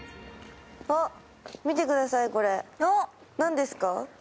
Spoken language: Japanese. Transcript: あ、見てください、これ、何ですか？